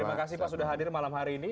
terima kasih pak sudah hadir malam hari ini